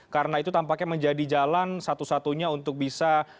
karena itu tampaknya menjadi jalan satu satunya untuk bisa